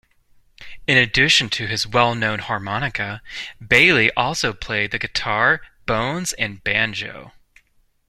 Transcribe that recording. In addition to his well-known harmonica, Bailey also played the guitar, bones, and banjo.